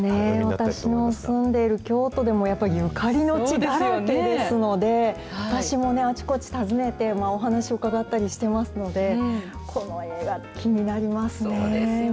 私の住んでいる京都でもやっぱり、ゆかりの地だらけですので、私もね、あちこち訪ねて、お話を伺ったりしてますので、この映画、そうですよね。